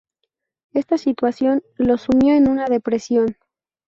Esta situación lo sumió en una depresión.